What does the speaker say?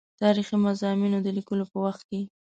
تاریخي مضامینو د لیکلو په وخت کې.